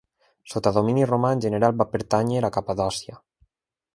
Sota domini romà en general va pertànyer a Capadòcia.